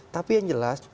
tapi yang jelas